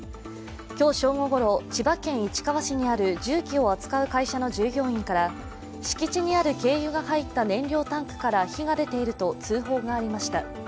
今日正午ごろ、千葉県市川市にある重機を扱う会社の従業員から、敷地になる軽油が入った燃料タンクから火が出ていると通報がありました。